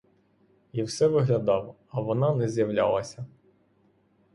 І все виглядав, а вона не з'являлася.